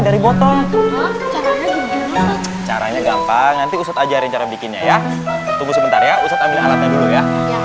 dari botol caranya gampang nanti ustadz ajarin cara bikinnya ya tunggu sebentar ya ustadz ambil alatnya dulu ya